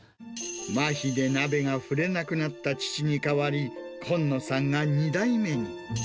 まひで鍋が振れなくなった父に代わり、今野さんが２代目に。